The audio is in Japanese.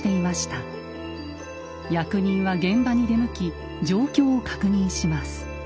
役人は現場に出向き状況を確認します。